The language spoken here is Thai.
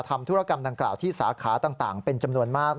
ธุรกรรมดังกล่าวที่สาขาต่างเป็นจำนวนมาก